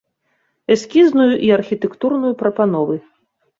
Эскізную і архітэктурную прапановы.